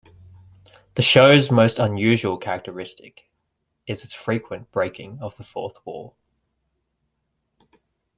The show's most unusual characteristic is its frequent breaking of the fourth wall.